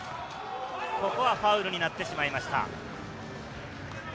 ここはファウルになってしまいました。